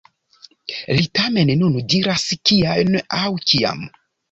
Li tamen nun ne diras kiajn aŭ kiam.